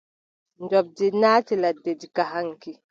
Njoɓndi naati ladde diga haŋki.